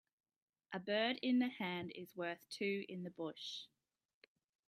A bird in the hand is worth two in the bush